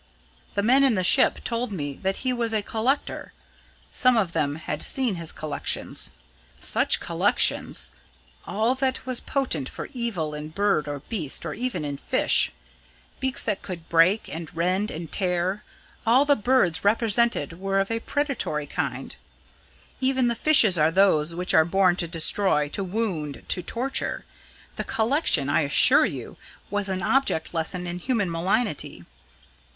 The men in the ship told me that he was a collector: some of them had seen his collections. Such collections! All that was potent for evil in bird or beast, or even in fish. Beaks that could break and rend and tear all the birds represented were of a predatory kind. Even the fishes are those which are born to destroy, to wound, to torture. The collection, I assure you, was an object lesson in human malignity.